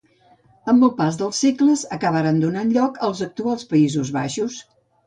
Amb el pas dels segles, acabaren donant lloc als actuals Països Baixos.